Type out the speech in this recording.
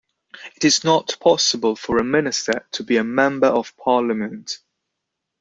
It is not possible for a minister to be a member of parliament.